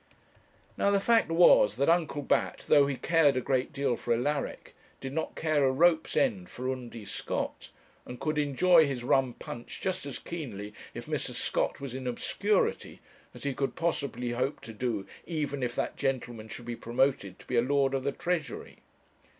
Now, the fact was, that Uncle Bat, though he cared a great deal for Alaric, did not care a rope's end for Undy Scott, and could enjoy his rum punch just as keenly if Mr. Scott was in obscurity as he could possibly hope to do even if that gentleman should be promoted to be a Lord of the Treasury.